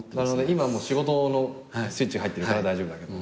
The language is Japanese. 今は仕事のスイッチ入ってるから大丈夫だけど。